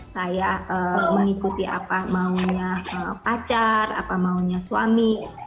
saya mengikuti apa maunya pacar apa maunya suami